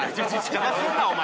邪魔すんなお前！